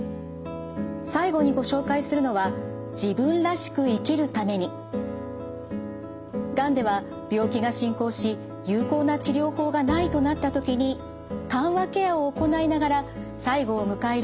最後にご紹介するのはがんでは病気が進行し有効な治療法がないとなった時に緩和ケアを行いながら最期を迎えるケースがあります。